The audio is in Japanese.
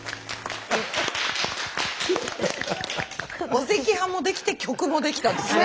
お赤飯もできて曲もできたんですね。